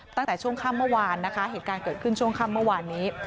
ตั้งแต่ช่วงค่ำเมื่อวานนะคะเหตุการณ์เกิดขึ้นช่วงค่ำเมื่อวานนี้